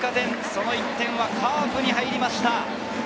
その１点はカープに入りました。